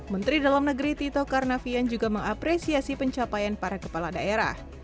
menteri dalam negeri tito karnavian juga mengapresiasi pencapaian para kepala daerah